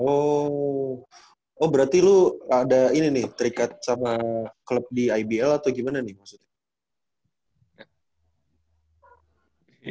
oh oh berarti lu ada ini nih terikat sama klub di ibl atau gimana nih maksudnya